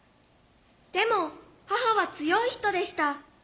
でも母は強い人でした。